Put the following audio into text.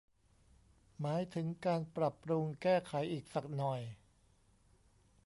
หมายถึงการปรับปรุงแก้ไขอีกสักหน่อย